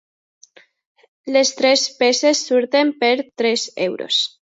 Les tres peces surten per tres euros.